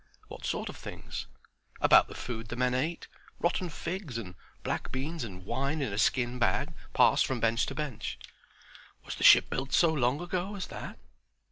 "What sort of things?" "About the food the men ate; rotten figs and black beans and wine in a skin bag, passed from bench to bench." "Was the ship built so long ago as that?"